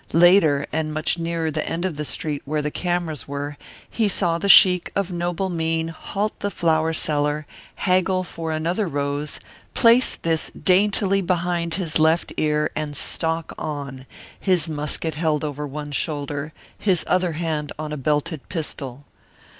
Later, and much nearer the end of the street where the cameras were, he saw the sheik of noble mien halt the flower seller, haggle for another rose, place this daintily behind his left ear and stalk on, his musket held over one shoulder, his other hand on a belted pistol.